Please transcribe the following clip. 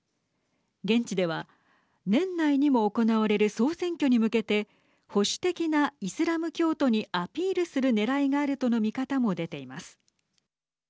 現地では年内にも行われる総選挙に向けて保守的なイスラム教徒にアピールするねらいがあるとの見方も出ています。